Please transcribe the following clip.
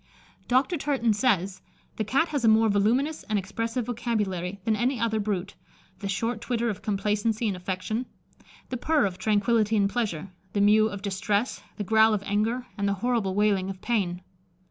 Dr. Turton says, "The Cat has a more voluminous and expressive vocabulary than any other brute; the short twitter of complacency and affection, the purr of tranquility and pleasure, the mew of distress, the growl of anger, and the horrible wailing of pain."